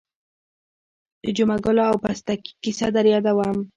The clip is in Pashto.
د جمعه ګل او پستکي کیسه در یادوم.